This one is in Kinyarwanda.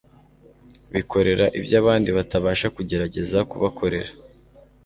bikorera ibyo abandi batabasha kugerageza kubakorera